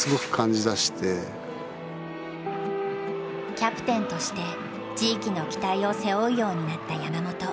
キャプテンとして地域の期待を背負うようになった山本。